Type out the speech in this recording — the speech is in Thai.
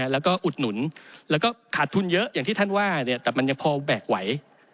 แล้วก็อุดหนุนแล้วก็ขาดทุนเยอะอย่างที่ท่านว่าแต่มันยังพอแบกไหว